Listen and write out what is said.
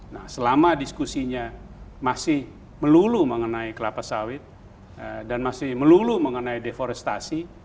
nah selama diskusinya masih melulu mengenai kelapa sawit dan masih melulu mengenai deforestasi